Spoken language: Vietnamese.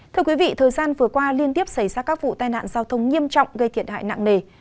thưa quý vị thời gian vừa qua liên tiếp xảy ra các vụ tai nạn giao thông nghiêm trọng gây thiệt hại nặng nề